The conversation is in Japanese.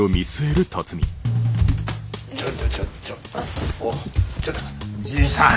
ちょっとちょっとちょっとちょっとじいさん。